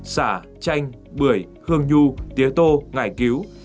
xả chanh bưởi hương nhu tía tô ngải cứu